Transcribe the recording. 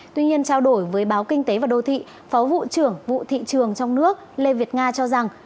tuy nhiên trao đổi với báo kinh tế và đô thị phó vụ trưởng vụ thị trường trong nước lê việt nga cho rằng